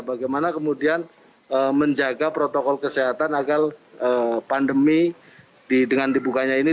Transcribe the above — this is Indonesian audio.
bagaimana kemudian menjaga protokol kesehatan agar pandemi dengan dibukanya ini